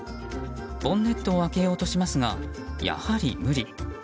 ボンネットを開けようとしますがやはり無理。